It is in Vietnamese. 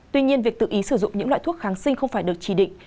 tuy nhiên việc tự ý sử dụng những loại thuốc kháng sinh không phải được chỉ định